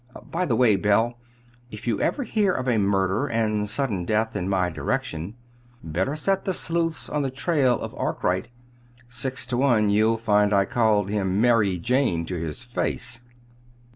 By the way, Belle, if you ever hear of murder and sudden death in my direction, better set the sleuths on the trail of Arkwright. Six to one you'll find I called him 'Mary Jane' to his face!"